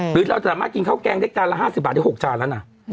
หรือเราสามารถกินข้าวแกงได้จานละ๕๐บาทได้๖จานแล้วนะ